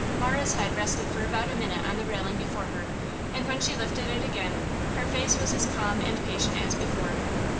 Marah's head rested for about a minute on the railing before her and when she lifted it again her face was as calm and patient as before.